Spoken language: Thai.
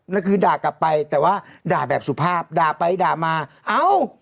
แล้วคือด่ากลับไปแต่ว่าด่าแบบสุภาพด่าไปด่ามาเอ้า